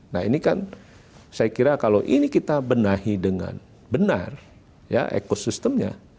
nah ini kan saya kira kalau ini kita benahi dengan benar ya ekosistemnya